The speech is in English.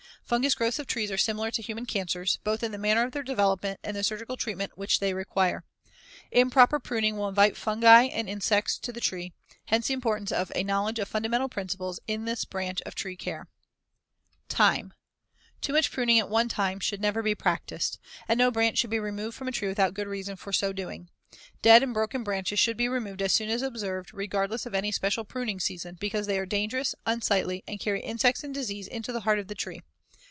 Fungous growths of trees are similar to human cancers, both in the manner of their development and the surgical treatment which they require. Improper pruning will invite fungi and insects to the tree, hence the importance of a knowledge of fundamental principles in this branch of tree care. [Illustration: FIG. 112. A Tree Pruned Improperly and too Severely.] Time: Too much pruning at one time should never be practiced (Fig. 112), and no branch should be removed from a tree without good reason for so doing. Dead and broken branches should be removed as soon as observed, regardless of any special pruning season, because they are dangerous, unsightly and carry insects and disease into the heart of the tree.